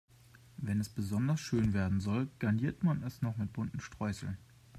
Wenn es besonders schön werden soll, garniert man es noch mit bunten Streuseln.